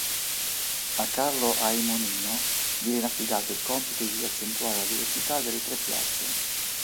A Carlo Aymonino viene affidato il compito di accentuare la diversità delle tre piazze.